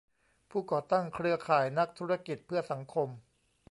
ผู้ก่อตั้งเครือข่ายนักธุรกิจเพื่อสังคม